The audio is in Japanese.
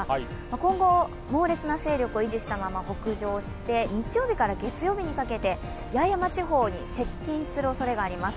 今後、猛烈な勢力を維持したまま北上して日曜日から月曜日にかけて八重山地方に接近するおそれがあります。